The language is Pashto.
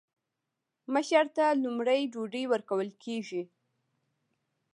مشر ته لومړی ډوډۍ ورکول کیږي.